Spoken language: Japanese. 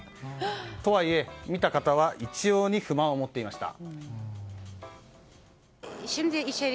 とはいえ見た方は一様に不満を持っていました。